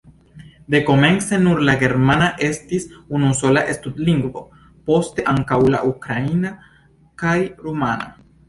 Dekomence nur la germana estis unusola stud-lingvo, poste ankaŭ la ukraina kaj la rumana.